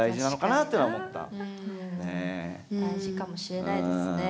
大事かもしれないですね。